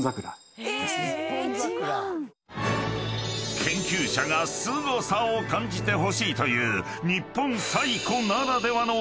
［研究者が「すごさを感じてほしい」という］